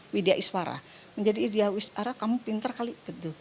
widya iswara menjadi widya iswara kamu pintar kali gitu